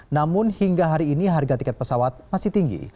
namun hingga hari ini harga tiket pesawat masih tinggi